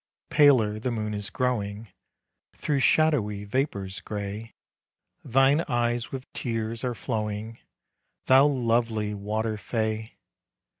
Paler the moon is growing Through shadowy vapors gray. Thine eyes with tears are flowing, Thou lovely water fay!